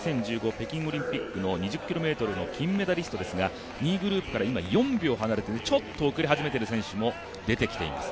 北京オリンピックの２０ｋｍ競歩の金メダリストですが２位グループから今４秒離れてちょっと後れ始めている選手も出てきています。